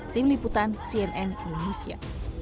tim liputan cnn indonesia